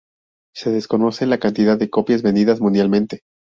Se desconoce la cantidad de copias vendidas mundialmente.